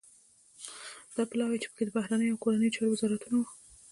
دا پلاوی چې پکې د بهرنیو او کورنیو چارو وزارتون